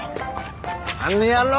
あの野郎！